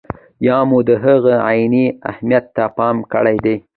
یا مو د هغه عیني اهمیت ته پام کړی دی.